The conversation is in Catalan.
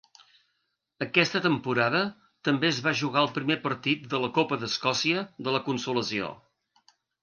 Aquesta temporada també es va jugar el primer partit de la Copa d'Escòcia de la Consolació.